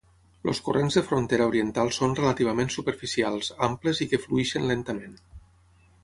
Els Corrents de frontera oriental són relativament superficials, amples i que flueixen lentament.